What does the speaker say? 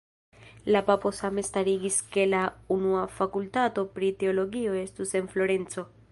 La papo same starigis ke la unua Fakultato pri Teologio estus en Florenco.